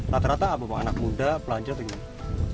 rata rata apa pak anak muda pelancong atau gimana